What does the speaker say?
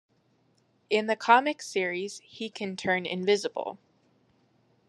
In the comics series he can turn invisible.